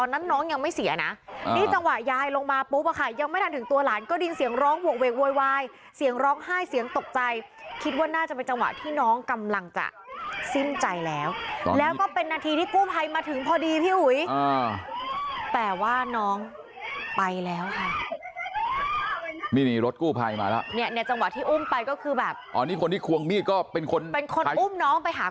นั้นน้องยังไม่เสียนะอ่านี่จังหวะยายลงมาปุ๊บว่าค่ะยังไม่ทันถึงตัวหลานก็ดินเสียงร้องหววกเวกโวยวายเสียงร้องไห้เสียงตกใจคิดว่าน่าจะเป็นจังหวะที่น้องกำลังจะซิ่มใจแล้วแล้วก็เป็นนาทีที่กู้ไพมาถึงพอดีพี่หุยอ่าแปลว่าน้องไปแล้วค่ะนี่นี่รถกู้ไพมาแล้วเนี้ยเนี้ยจังหวะ